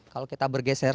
kalau kita bergeser